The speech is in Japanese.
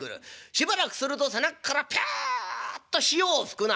しばらくすると背中からピュッと潮を吹くな。